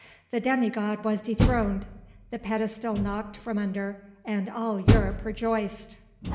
The demigod was dethroned, the pedestal knocked from under, and all Europe rejoiced.